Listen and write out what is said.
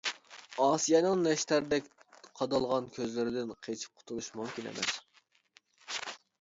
ئاسىيەنىڭ نەشتەردەك قادالغان كۆزلىرىدىن قېچىپ قۇتۇلۇش مۇمكىن ئەمەس.